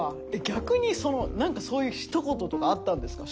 逆にその何かそういうひと言とかあったんですか？